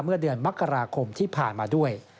เมื่อเดือนมกราคมที่ผ่านมาด้วย